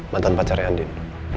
mantan pacarnya andin